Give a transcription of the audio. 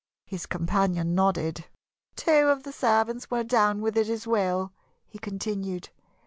His companion nodded. "Two of the servants were down with it as well," he continued.